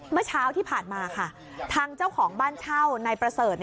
เมื่อเช้าที่ผ่านมาค่ะทางเจ้าของบ้านเช่านายประเสริฐ